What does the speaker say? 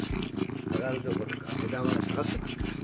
上がるどころかねだんは下がってますから。